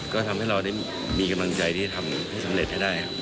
ก็ทำให้เราได้มีกำลังใจที่ทำให้สำเร็จให้ได้ครับ